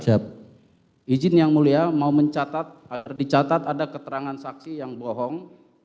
pak izin yang mulia mau mencatat di catat ada keterangan saksi yang bohong